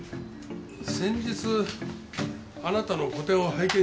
先日あなたの個展を拝見しました。